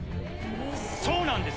そうなんです。